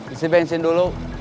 isi bensin dulu